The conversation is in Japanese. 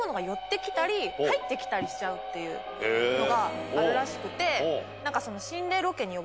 しちゃうっていうのがあるらしくて。